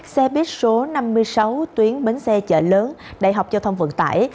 xe buýt số năm mươi sáu tuyến bến xe chợ lớn đại học giao thông vận tải